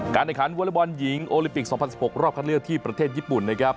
การในขันวอล์เลอบอลหญิงโอลิปิกสองพันสิบหกรอบคันเลือกที่ประเทศญี่ปุ่นนะครับ